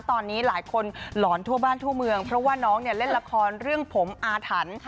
ตอนนี้หลายคนหลอนทั่วบ้านทั่วเมืองเพราะว่าน้องเนี่ยเล่นละครเรื่องผมอาถรรพ์